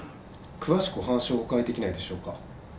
詳しくお話をお伺いできないでしょうか。